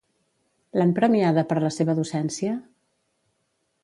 L'han premiada per la seva docència?